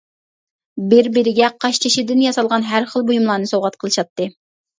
بىر-بىرىگە قاشتېشىدىن ياسالغان ھەر خىل بۇيۇملارنى سوۋغات قىلىشاتتى.